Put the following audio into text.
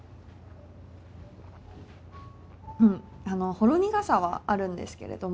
ほろ苦さはあるんですけれども、